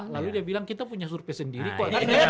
lalu dia bilang kita punya survei sendiri kok